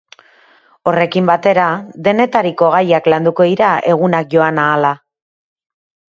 Horrekin batera, denetariko gaiak landuko dira egunak joan ahala.